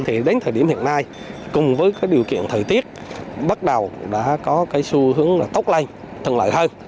thì đến thời điểm hiện nay cùng với điều kiện thời tiết bắt đầu đã có xu hướng tốt lây thân lợi hơn